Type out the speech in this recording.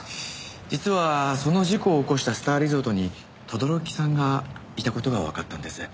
実はその事故を起こしたスターリゾートに轟さんがいた事がわかったんです。